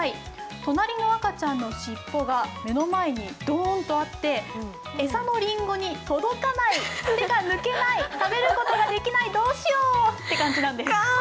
隣の赤ちゃんの尻尾が目の前にドンとあって、餌のりんごに届かない、手が抜けない、食べることができない、どうしよって感じなんです。